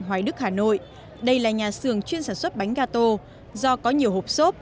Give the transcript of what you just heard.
hoài đức hà nội đây là nhà xưởng chuyên sản xuất bánh gà do có nhiều hộp xốp